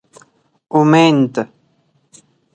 امېند